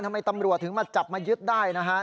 ทำไมตำรวจถึงมาจับมายึดได้นะฮะ